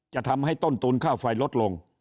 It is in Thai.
จะทำให้ต้นทุนค่าไฟลดลง